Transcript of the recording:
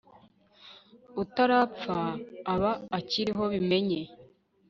utarapfa aba akiriho bimenye